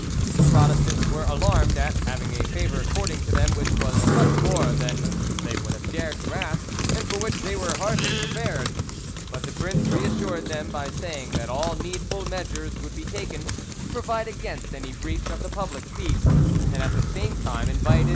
The Protestants were alarmed at, having a favour accorded to them which was much more than they would have dared to ask and for which they were hardly prepared. But the prince reassured them by saying that all needful measures would be taken to provide against any breach of the public peace, and at the same time invited M.